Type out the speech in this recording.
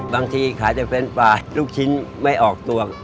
บางทีขายแต่เป็นปลาลูกชิ้นไม่ออกตวง